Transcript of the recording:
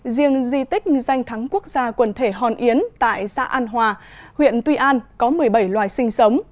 riêng di tích danh thắng quốc gia quần thể hòn yến tại xã an hòa huyện tuy an có một mươi bảy loài sinh sống